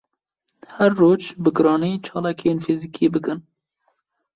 Her roj bi giranî çalakiyên fizikî bikin